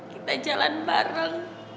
kita jalan bareng